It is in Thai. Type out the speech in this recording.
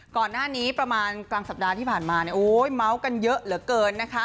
ก่อนหน้านี้ประมาณกลางสัปดาห์ที่ผ่านมาเนี่ยโอ้ยเมาส์กันเยอะเหลือเกินนะคะ